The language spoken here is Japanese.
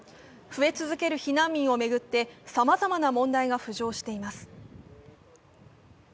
増え続ける避難民を巡ってさまざまな問題が浮上しています。